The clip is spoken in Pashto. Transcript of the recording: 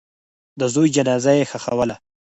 د زوی جنازه یې ښخوله.